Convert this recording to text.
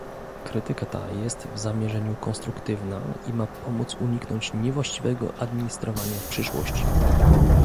Krytyka ta jest w zamierzeniu konstruktywna i ma pomóc uniknąć niewłaściwego administrowania w przyszłości